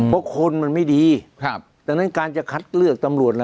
เพราะคนมันไม่ดีดังนั้นการจะคัดเลือกตำรวจ